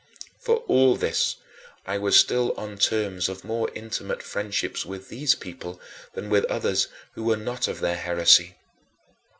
For all this, I was still on terms of more intimate friendship with these people than with others who were not of their heresy.